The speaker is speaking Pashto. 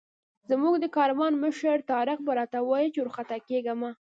زموږ د کاروان مشر طارق به راته ویل چې وارخطا کېږه مه.